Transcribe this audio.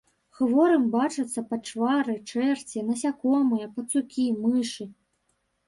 Хворым бачацца пачвары, чэрці, насякомыя, пацукі, мышы.